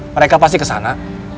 mereka pasti kesana